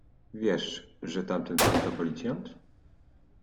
Wiesz, że tamten pan to policjant?